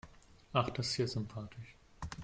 Ach, das ist ja sympathisch.